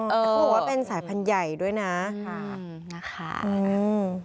เออคือว่าเป็นสายพันธุ์ใหญ่ด้วยนะอืมนะคะอืม